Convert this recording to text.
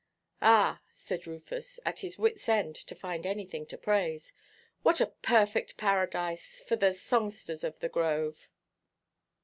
"Ah," said Rufus, at his wits' end for anything to praise, "what a perfect paradise—for the songsters of the grove."